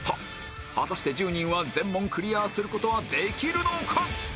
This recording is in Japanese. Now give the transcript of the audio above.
果たして１０人は全問クリアする事はできるのか？